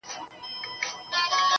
غلطۍ کي مي د خپل حسن بازار مات کړی دی.